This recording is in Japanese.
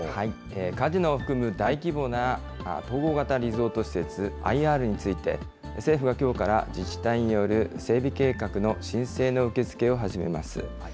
カジノを含む大規模な統合型リゾート施設・ＩＲについて、政府がきょうから自治体による整備計画の申請の受け付けを始めます。